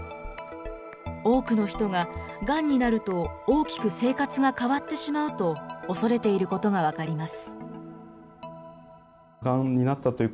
多くの人が、がんになると大きく生活が変わってしまうとおそれていることが分かります。